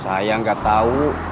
saya enggak tahu